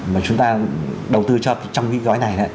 mà chúng ta đầu tư cho trong cái gói này